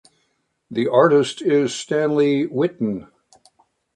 The artist is Stanley Witten.